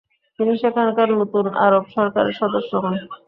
তিনি সেখানকার নতুন আরব সরকারের সদস্য হন।